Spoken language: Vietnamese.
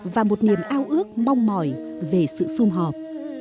và một niềm ao ước mong mỏi về sự xung họp